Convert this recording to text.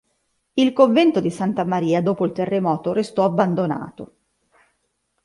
Il convento di santa Maria dopo il terremoto restò abbandonato.